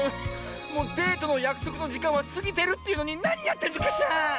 もうデートのやくそくのじかんはすぎてるっていうのになにやってんのかしら！